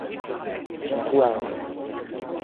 sina ku ala ku?